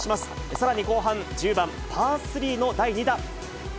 さらに後半、１０番パー３の第２打。